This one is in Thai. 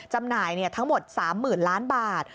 จำหน่ายทั้งหมด๓๐๐๐ล้านบาท